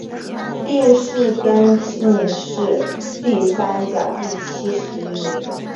殿试登进士第三甲第七十一名。